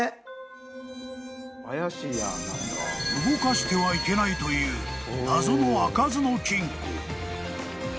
［動かしてはいけないという謎の開かずの金庫］